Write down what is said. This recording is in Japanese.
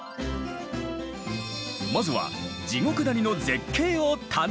まずは地獄谷の絶景を堪能！